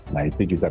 nah itu juga bisa